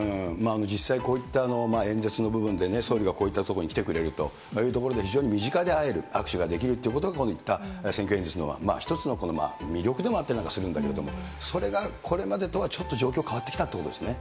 実際、こういった演説の部分でね、総理がこういった所に来てくれるというところで、非常に身近で会える、握手ができるっていうことが、こういった選挙演説の一つの魅力でもあったりするんだけど、それがこれまでとはちょっと状況変わってきたということですね。